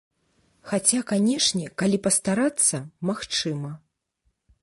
Хаця, канешне, калі пастарацца, магчыма.